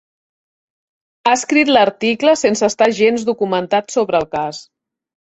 Ha escrit l'article sense estar gens documentat sobre el cas.